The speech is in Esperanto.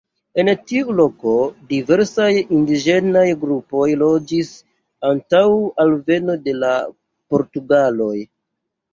En tiu loko diversaj indiĝenaj grupoj loĝis antaŭ alveno de la portugaloj.